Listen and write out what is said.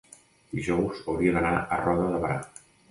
dijous hauria d'anar a Roda de Berà.